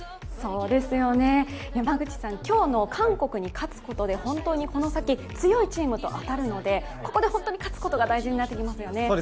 今日の韓国に勝つことで本当にこの先、強いチームと当たるのでここで本当に勝つことが大事になってきますよね。